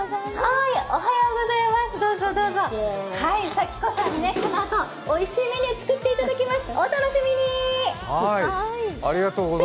佐喜子さんにこのあとおいしいメニュー作っていただきます！